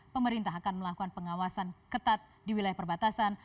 pemerintah akan melakukan pengawasan ketat di wilayah perbatasan